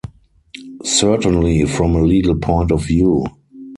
Certainly from a legal point of view.